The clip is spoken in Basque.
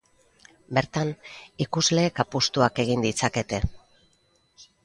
Bertan, ikusleek apustuak egin ditzakete.